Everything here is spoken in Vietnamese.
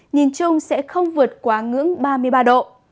nhìn chung sẽ không vượt quá ngưỡng ba mươi ba độ